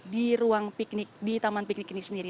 di ruang piknik di taman piknik ini sendiri